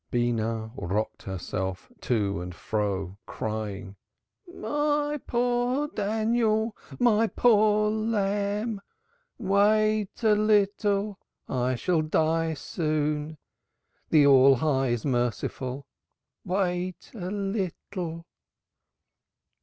Beenah rocked herself to and fro, crying: "My poor Daniel, my poor lamb! Wait a little. I shall die soon. The All High is merciful. Wait a little."